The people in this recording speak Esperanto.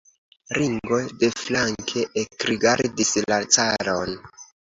Ringo deflanke ekrigardis la caron.